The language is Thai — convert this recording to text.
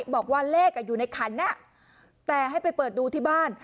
บอกว่าเลขอยู่ในขันแต่ให้ไปเปิดดูที่บ้าน